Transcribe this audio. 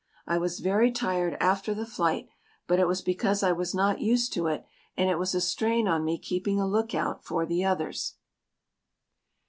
I was very tired after the flight but it was because I was not used to it and it was a strain on me keeping a look out for the others.